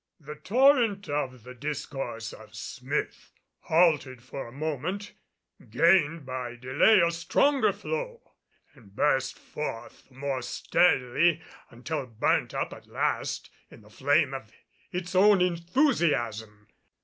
The torrent of the discourse of Smith, halted for a moment, gained by delay a stronger flow and burst forth the more sturdily, until burnt up at last in the flame of its own enthusiasm.